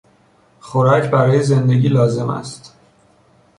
خوراک برای زندگی لازم است.